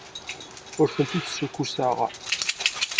Ur tent-id-ssukkuseɣ.